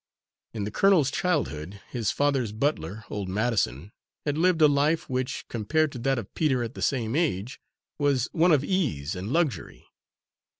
In the colonel's childhood his father's butler, old Madison, had lived a life which, compared to that of Peter at the same age, was one of ease and luxury.